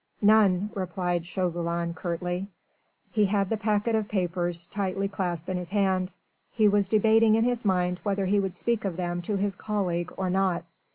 "None," replied Chauvelin curtly. He had the packet of papers tightly clasped in his hand. He was debating in his mind whether he would speak of them to his colleague or not.